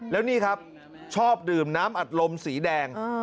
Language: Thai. แล้วนี่ครับชอบดื่มน้ำอัดลมสีแดง